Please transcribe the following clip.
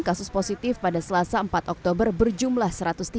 kasus positif pada selasa empat oktober berjumlah satu ratus tiga